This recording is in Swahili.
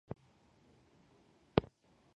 Ndege amekula chakula.